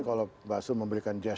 dan kalau bang zu memberikan gesture